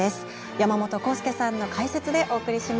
山本康介さんの解説でお送りします。